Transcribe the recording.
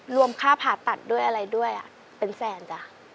รวมค่าผ่าตัดด้วยอะไรด้วยเป็นแสนจ้ะ